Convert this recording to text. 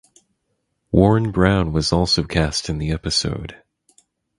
Warren Brown was also cast in the episode.